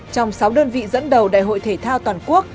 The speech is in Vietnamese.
trong sáu đơn vị dẫn đầu đại hội thể thao toàn quốc